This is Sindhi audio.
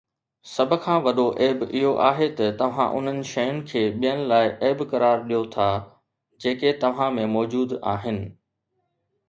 سڀ کان وڏو عيب اهو آهي ته توهان انهن شين کي ٻين لاءِ عيب قرار ڏيو ٿا جيڪي توهان ۾ موجود آهن